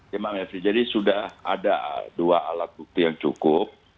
ya mbak mepri jadi sudah ada dua alat bukti yang cukup